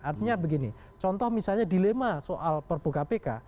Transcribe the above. artinya begini contoh misalnya dilema soal perbuka pk